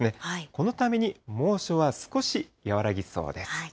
このために猛暑は少し和らぎそうです。